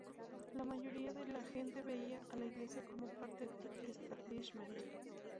La mayoría de la gente veía a la Iglesia como parte del establishment.